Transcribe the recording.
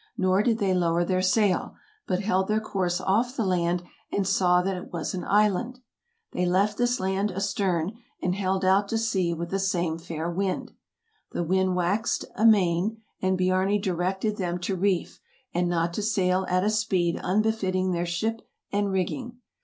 '' Nor did they lower their sail, but held their course off the land, and saw that it was an island. They left this land astern, and held out to sea with the same fair wind. The wind waxed amain, and Biarni directed them to reef, and not to sail at a speed unbefitting their ship and rigging.